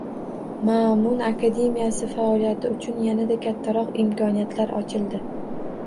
Ma'mun akademiyasi faoliyati uchun yanada kattaroq imkoniyatlar ochildi